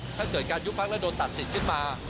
ถ้าเกิดการยุบพักษ์และโดนตัดสินขึ้นมา